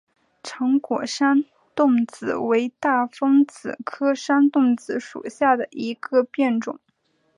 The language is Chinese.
长果山桐子为大风子科山桐子属下的一个变种。